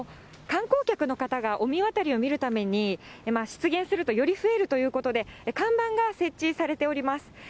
観光客の方が御神渡りを見るために、出現するとより増えるということで、看板が設置されております。